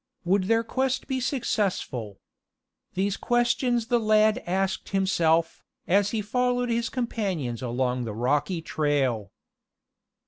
Would their quest be successful? These questions the lad asked himself, as he followed his companions along the rocky trail.